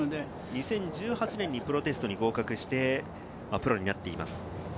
２０１８年にプロテストに合格して、プロになっています。